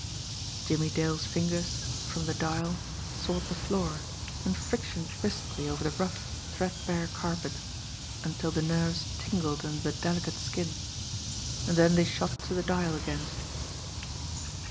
Jimmie Dale's fingers, from the dial, sought the floor, and frictioned briskly over the rough, threadbare carpet, until the nerves tingled under the delicate skin and then they shot to the dial again.